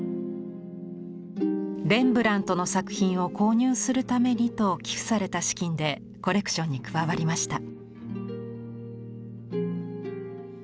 「レンブラントの作品を購入するために」と寄付された資金でコレクションに加わりました。